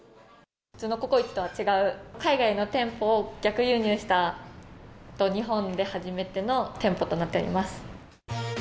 普通のココイチとは違う、海外の店舗を逆輸入した、日本で初めての店舗となっております。